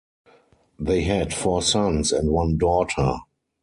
They had four sons and one daughter.